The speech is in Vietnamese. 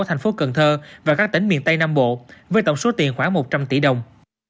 thành phố cần thơ và các tỉnh miền tây nam bộ với tổng số tiền khoảng một trăm linh tỷ đồng